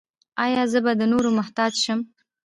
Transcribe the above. ایا زه به د نورو محتاج شم؟